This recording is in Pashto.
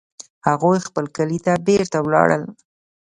هغوی خپل کلي ته بیرته ولاړل